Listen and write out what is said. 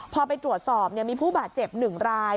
พอไปตรวจสอบมีผู้บาดเจ็บ๑ราย